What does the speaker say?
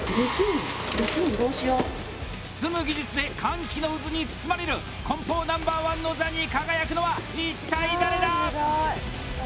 包む技術で歓喜の渦に包まれる梱包ナンバー１の座に輝くのは一体誰だ！